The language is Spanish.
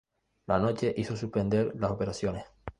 La noche hizo suspender las operaciones.